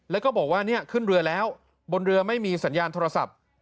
แล้วก็บอกว่าเนี่ยขึ้นเรือแล้วบนเรือไม่มีสัญญาณโทรศัพท์